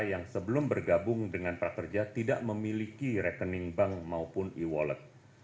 yang sebelum bergabung dengan prakerja tidak memiliki rekening bank maupun e wallet